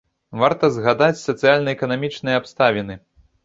Варта згадаць сацыяльна-эканамічныя абставіны.